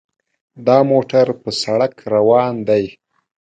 دا موټر په سړک روان دی.